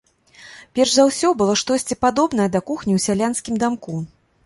Перш за ўсё было штосьці падобнае да кухні ў сялянскім дамку.